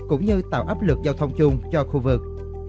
cũng như tạo áp lực giao thông chung cho khu vực